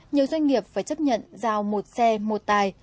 nhiều doanh nghiệp phải chấp nhận giao một xe một tài